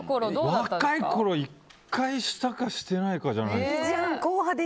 若いころ１回したかしてないかじゃないですか。